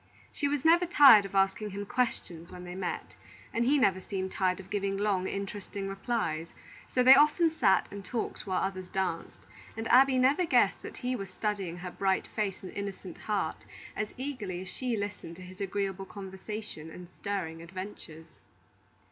She was never tired of asking him questions when they met, and he never seemed tired of giving long, interesting replies; so they often sat and talked while others danced, and Abby never guessed that he was studying her bright face and innocent heart as eagerly as she listened to his agreeable conversation and stirring adventures.